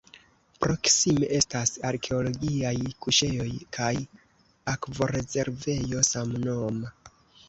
Proksime estas arkeologiaj kuŝejoj kaj akvorezervejo samnoma.